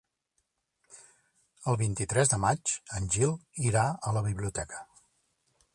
El vint-i-tres de maig en Gil irà a la biblioteca.